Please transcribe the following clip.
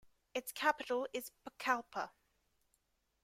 Its capital is Pucallpa.